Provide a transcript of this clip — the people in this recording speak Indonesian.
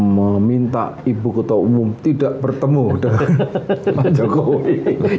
meminta ibu ketua umum tidak bertemu dengan pak jokowi